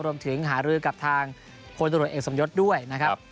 รวมถึงหารือกับทางพลตรวจเอกสมยศด้วยนะครับ